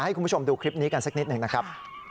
ให้คุณผู้ชมดูคลิปนี้กันสักนิดหนึ่งนะครับ